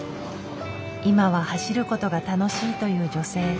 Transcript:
今は走ることが楽しいという女性。